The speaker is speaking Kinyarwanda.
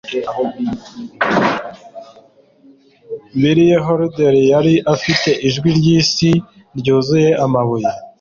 Billie Holliday yari afite ijwi ryisi, ryuzuye amabuye.